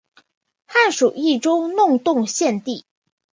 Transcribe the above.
汉属益州弄栋县地。